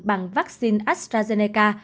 bằng vắc xin astrazeneca